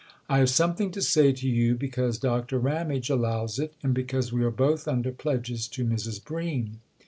" I have something to say to you because Doctor Ramage allows it, and because we are both under pledges to Mrs. Bream.